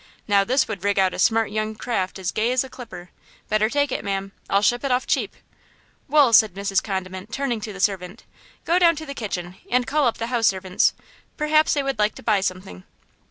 Now, this would rig out a smart young craft as gay as a clipper! Better take it, ma'am. I'll ship it off cheap!" "Wool!" said Mrs. Condiment, turning to the servant, "go down to the kitchen and call up the house servants–perhaps they would like to buy something.''